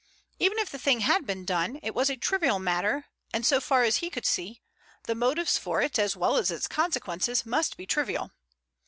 Even if the thing had been done, it was a trivial matter and, so far as he could see, the motives for it, as well as its consequences, must be trivial.